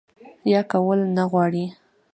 يا کول نۀ غواړي